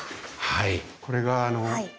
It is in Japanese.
はい。